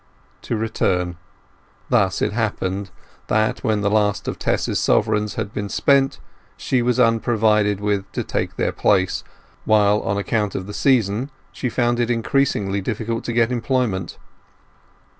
To return. Thus it happened that when the last of Tess's sovereigns had been spent she was unprovided with others to take their place, while on account of the season she found it increasingly difficult to get employment.